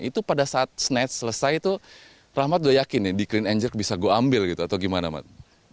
itu pada saat snatch selesai tuh rahmat udah yakin ya di clean and jerk bisa gue ambil gitu atau gimana mat